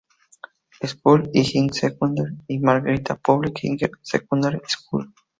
School y Higher Secondary y Margherita Public Higher Secondary School.